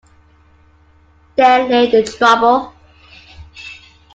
There lay the trouble.